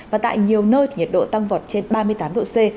và tại nhiều nơi nhiệt độ tăng vọt trên ba mươi tám độ c